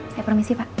saya permisi pak